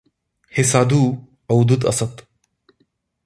हे साधू अवधूत असत.